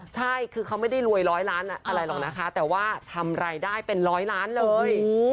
ใช่คือเขาไม่ได้รวยร้อยล้านอะไรหรอกนะคะแต่ว่าทำรายได้เป็นร้อยล้านเลย